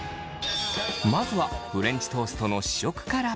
まずはフレンチトーストの試食から。